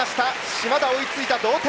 嶋田、追いついて同点！